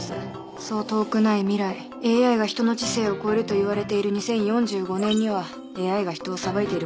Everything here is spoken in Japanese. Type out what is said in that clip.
そう遠くない未来ＡＩが人の知性を超えるといわれている２０４５年にはＡＩが人を裁いていることでしょう。